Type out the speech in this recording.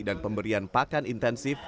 dan pemberian pakan intensif